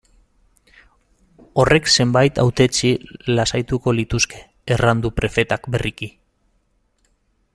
Horrek zenbait hautetsi lasaituko lituzke, erran du prefetak berriki.